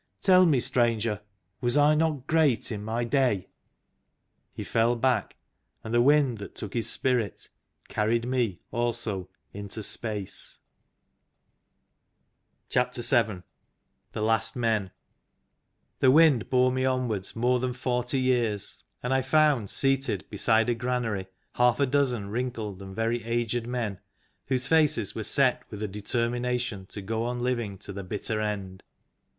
Tell me, Stranger, was I not great in my day? " He fell back, and the Wind that took his Spirit carried me also into space. VII THE LAST MAN THE Wind bore me onwards more than forty years, and I found seated beside a granary half a dozen wrinkled and very aged men, whose faces were set with a determination to go on living to the bitter end.